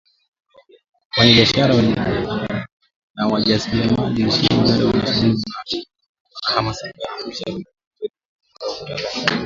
Wafanyabiashara na wajasiriamali nchini Uganda na somlia wamehamasika na fursa zitakazoletwa na kujiunga huko Tanzania